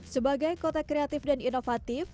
sebagai kota kreatif dan inovatif